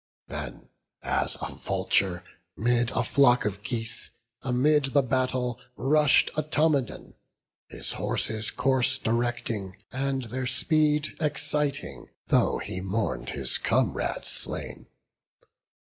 Then, as a vulture 'mid a flock of geese, Amid the battle rush'd Automedon, His horses' course directing, and their speed Exciting, though he mourn'd his comrade slain.